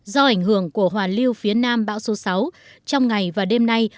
do ảnh hưởng của hoàn lưu phía nam bão số sáu trong ngày và đêm nay